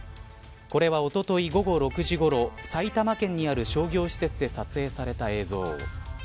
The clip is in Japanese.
これは、おととい午後６時ごろ埼玉県にある商業施設で撮影された映像。